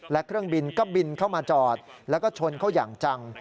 และเครื่องบินก็บินเข้ามาจอดแล้วก็ชนเขาอย่างจัง